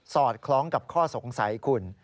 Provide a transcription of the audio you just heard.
อดคล้องกับข้อสงสัยคุณ